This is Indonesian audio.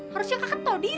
harusnya kakak tol diri dong